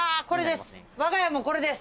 これです。